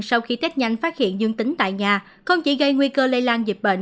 sau khi tết nhanh phát hiện dương tính tại nhà không chỉ gây nguy cơ lây lan dịch bệnh